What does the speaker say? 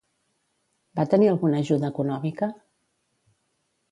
Va tenir alguna ajuda econòmica?